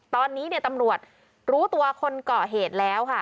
ตอนนี้ตำรวจรู้ตัวคนก่อเหตุแล้วค่ะ